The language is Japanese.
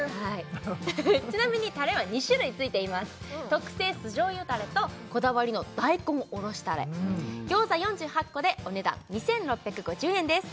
ちなみにたれは２種類ついています特製酢醤油たれとこだわりの大根おろしたれ餃子４８個でお値段２６５０円です